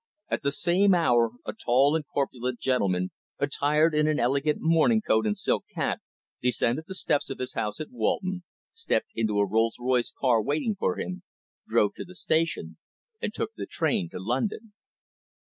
At the same hour, a tall and corpulent gentleman, attired in an elegant morning coat and silk hat, descended the steps of his house at Walton, stepped into the Rolls Royce car waiting for him, drove to the station, and took the train to London.